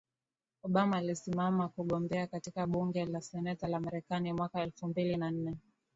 Obama alisimama kugombea katika Bunge La seneta La Marekani mwaka elfu mbili na nne